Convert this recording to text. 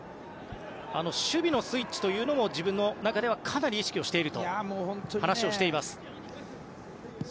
守備のスイッチというのも自分の中でかなり意識していると話をしています。